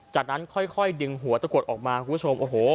จากนั้นค่อยดึงหัวตะกรวจออกมาครับคุณผู้ชม